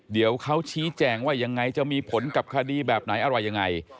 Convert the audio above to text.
เดี๋ยวเขาชี้แจงว่ายังไงจะมีผลกับคดีแบบไหนอะไรยังไง